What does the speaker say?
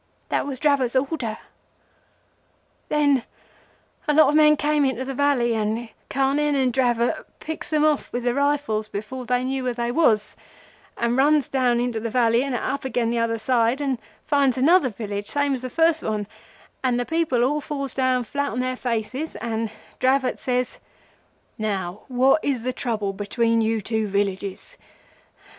That was Dravot's order. Then a lot of men came into the valley, and Carnehan and Dravot picks them off with the rifles before they knew where they was, and runs down into the valley and up again the other side, and finds another village, same as the first one, and the people all falls down flat on their faces, and Dravot says,—'Now what is the trouble between you two villages?